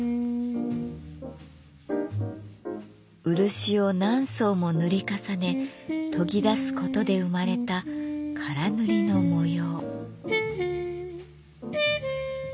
漆を何層も塗り重ね研ぎ出すことで生まれた唐塗の模様。